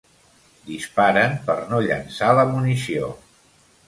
Disparen per no llençar la munició.